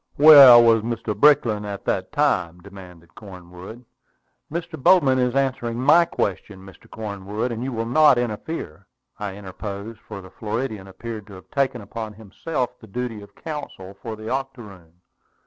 "Where was Mr. Brickland at that time?" demanded Cornwood. "Mr. Bowman is answering my question, Mr. Cornwood, and you will not interfere," I interposed, for the Floridian appeared to have taken upon himself the duty of counsel for the octoroon.